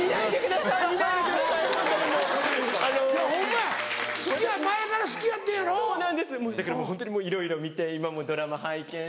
だからホントにいろいろ見て今もドラマ拝見して。